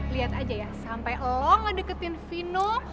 lihat aja ya sampai lo gak deketin vino